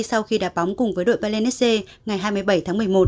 sau khi đạt bóng cùng với đội balenesex ngày hai mươi bảy tháng một mươi một